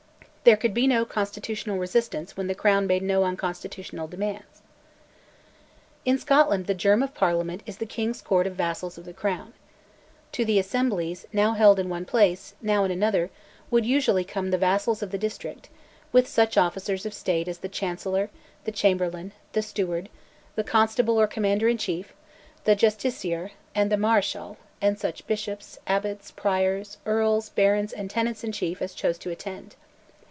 There could be no "constitutional resistance" when the Crown made no unconstitutional demands. In Scotland the germ of Parliament is the King's court of vassals of the Crown. To the assemblies, held now in one place, now in another, would usually come the vassals of the district, with such officers of state as the Chancellor, the Chamberlain, the Steward, the Constable or Commander in Chief, the Justiciar, and the Marischal, and such Bishops, Abbots, Priors, Earls, Barons, and tenants in chief as chose to attend.